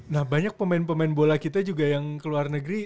nah banyak pemain pemain bola kita juga yang ke luar negeri